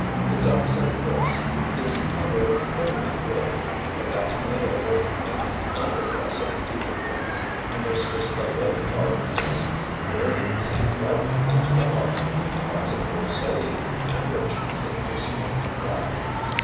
Its outside dress is a very filmy blue, but that's made over an under dress of deeper blue, and there's just a little part in it where you can see right into the heart, and that's a blue so deep and rich it makes you want to cry.